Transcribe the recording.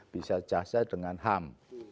bisa saja dengan ham